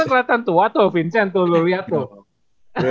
kelihatan tua tuh vincent tuh lu lihat tuh